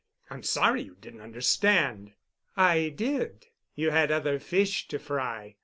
I'm sorry you didn't understand." "I did. You had other fish to fry.